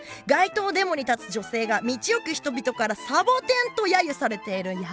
街頭デモに立つ女性が道行く人々から「サボテン」と揶揄されている。